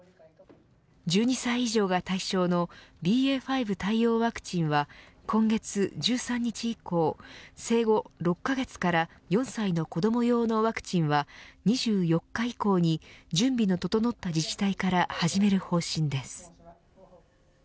１２歳以上が対象のＢＡ．５対応ワクチンは今月１３日以降生後６カ月から４歳の子ども用のワクチンは２４日以降に準備の整った自治体から始める方針です。